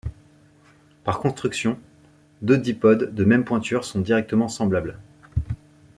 Par construction, deux dipodes de même pointure sont directement semblables.